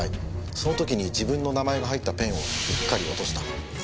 その時に自分の名前が入ったペンをうっかり落とした。